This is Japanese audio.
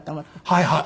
はいはい。